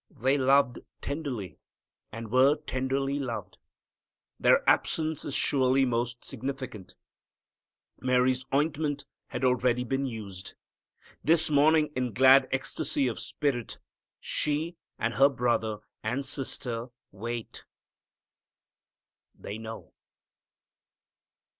They loved tenderly, and were tenderly loved. Their absence is surely most significant. Mary's ointment had already been used. This morning in glad ecstasy of spirit she and her brother and sister wait. _They know.